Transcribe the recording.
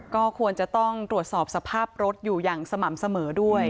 ก็ควรจะต้องตรวจสอบสภาพรถอยู่อย่างสม่ำเสมอด้วย